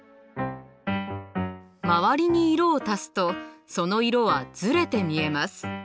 周りに色を足すとその色はズレて見えます。